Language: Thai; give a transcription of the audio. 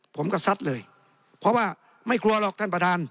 ผมก็ซัดเลยเพราะว่าไม่กลัวหรอกท่านประธาน